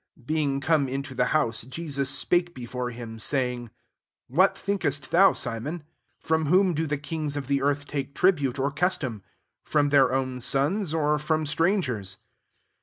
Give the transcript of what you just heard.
Being come into the house, Je sus spake before him, saying, "What thinkest thou, Simon? from whom do the kings of the earth take tribute, or custom ? irom their own sons, or from strangers